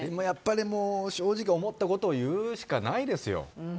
やっぱり正直思ったことを言うしかないですよ。